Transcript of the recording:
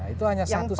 itu hanya satu satunya